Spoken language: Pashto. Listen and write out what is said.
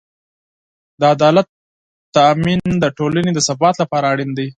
د عدالت تأمین د ټولنې د ثبات لپاره اړین دی.